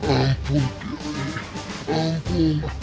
ampun kiai ampun